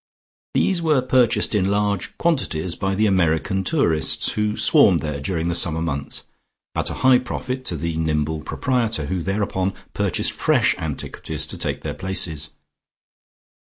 These were purchased in large quantities by the American tourists who swarmed there during the summer months, at a high profit to the nimble proprietor, who thereupon purchased fresh antiquities to take their places.